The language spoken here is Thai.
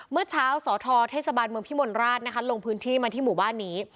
เมื่อเช้าสทเทศบันธิบในการพิมลพิมีลงพื้นที่มาถึงหมู่บ้านนี้